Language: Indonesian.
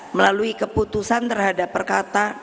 melalui keputusan terhadap perkata